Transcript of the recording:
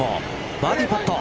バーディーパット。